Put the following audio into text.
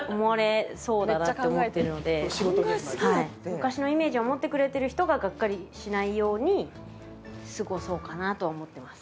昔のイメージを持ってくれてる人がガッカリしないように過ごそうかなとは思ってます。